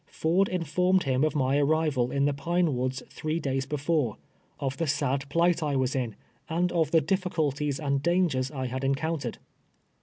Ford informed him of my arrival in the Pine "Woods three days before, of the sad plight I was in, and of the difficulties and dangers I had en countered.